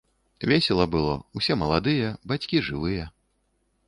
Весела было, усе маладыя, бацькі жывыя.